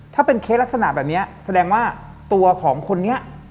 ด้วยลักษณะแบบนี้แสดงว่าตัวของคนนี้